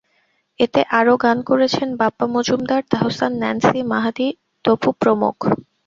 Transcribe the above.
এতে আরও গান করেছেন বাপ্পা মজুমদার, তাহসান, ন্যান্সি, মাহাদী, তপু প্রমুখ।